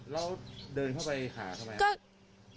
แล้วเดินเข้าไปหาทำไมครับ